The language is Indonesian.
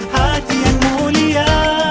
hati yang mulia